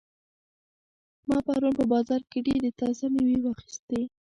ما پرون په بازار کې ډېرې تازه مېوې واخیستې.